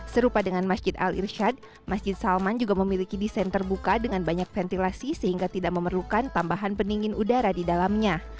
serupa dengan masjid al irshad masjid salman juga memiliki desain terbuka dengan banyak ventilasi sehingga tidak memerlukan tambahan pendingin udara di dalamnya